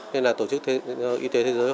nên là tổ chức y tế thế giới